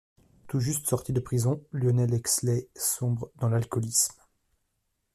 Tout juste sorti de prison, Lionel Exley sombre dans l'alcoolisme.